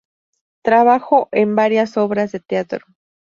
Trabajo en varias obras de teatro.